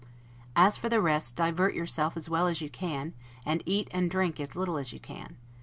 As for the rest, divert yourself as well as you can, and eat and drink as little as you can.